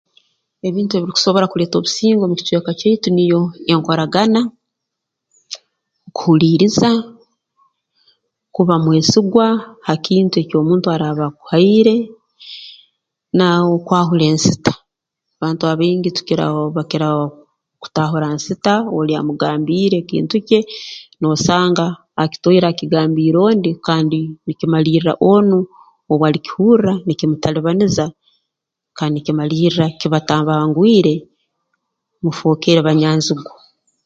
Ebintu ebirukusobora kuleeta obusinge omu kiikaro kyaitu niyo enkoragana kuhuliiriza kuba mwesigwa ha kintu eki omuntu araaba akuhaire na okwahura ensita abantu abaingi tukira bakira kutaahura nsita oli amugambiire ekintu kye noosanga akitwaire akigambiire ondi kandi nikimalirra onu obu ali kihurra nikimutalibaniza kandi nikimalirra kibatabangwire mufookere banyanzigwa